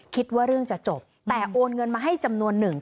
คิดว่าเรื่องจะจบแต่โอนเงินมาให้จำนวนหนึ่ง